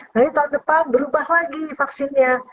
tapi tahun depan berubah lagi vaksinnya